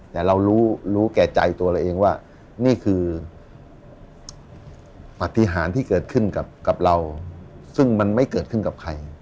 แต่เรารู้รู้แก่ใจตัวเราเองว่านี่คือปฏิหารที่เกิดขึ้นกับเราซึ่งมันไม่เกิดขึ้นกับใคร